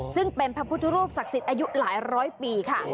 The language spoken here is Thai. ซึ่งเป็นพระพุทธรูปศักดิ์สิทธิ์อายุหลายร้อยปีค่ะ